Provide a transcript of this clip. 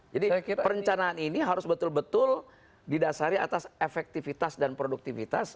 jadi perencanaan ini harus betul betul didasari atas efektivitas dan produktivitas